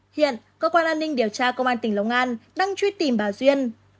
hiện cơ quan an ninh điều tra công an tỉnh long an đang truy tìm bà duyên